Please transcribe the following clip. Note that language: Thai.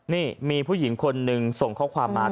นี่มีผู้หญิงคนหนึ่งส่งข้อความมา